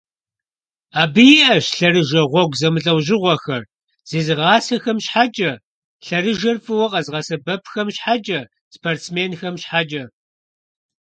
Абы иIэщ лъэрыжэ гъуэгу зэмылIэужьыгъуэхэр: зезыгъасэхэм щхьэкIэ, лъэрыжэр фIыуэ къэзыгъэсэбэпхэм щхьэкIэ, спортсменхэм щхьэкIэ.